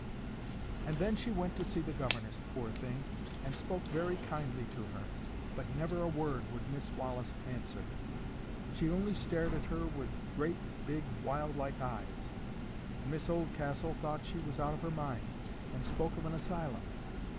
And then she went to see the governess, poor thing! and spoke very kindly to her; but never a word would Miss Wallis answer; she only stared at her with great, big, wild like eyes. And Miss Oldcastle thought she was out of her mind, and spoke of an asylum.